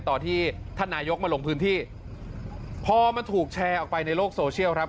ตอนที่ท่านนายกมาลงพื้นที่พอมันถูกแชร์ออกไปในโลกโซเชียลครับ